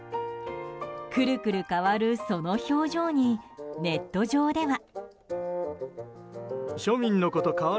くるくる変わるその表情にネット上では。